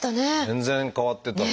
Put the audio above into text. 全然変わってた。